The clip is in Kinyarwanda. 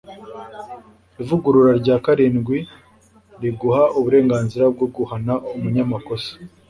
Ivugurura rya karindwi riguha uburenganzira bwo guhana umunyamakosa